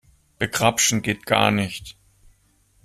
Begrapschen geht gar nicht.